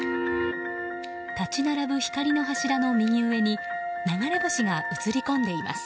立ち並ぶ光の柱の右上に流れ星が写り込んでいます。